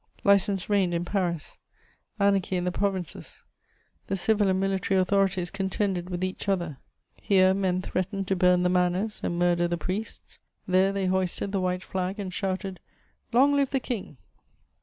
License reigned in Paris, anarchy in the provinces; the civil and military authorities contended with each other; here men threatened to burn the manors and murder the priests; there they hoisted the White Flag and shouted, "Long live the King!"